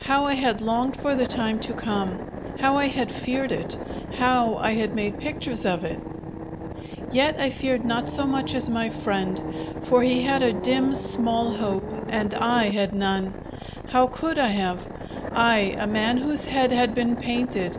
How I had longed for the time to come, how I had feared it, how I had made pictures of it! Yet I feared not so much as my friend, for he had a dim, small hope, and I had none. How could I have? I a man whose head had been painted?